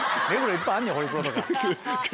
いっぱいあんねんホリプロとか。